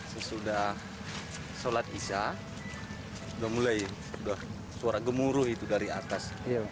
sesudah sholat isya sudah mulai sudah suara gemuruh itu dari atas